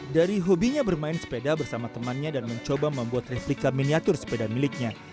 dari hobinya bermain sepeda bersama temannya dan mencoba membuat replika miniatur sepeda miliknya